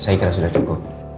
saya kira sudah cukup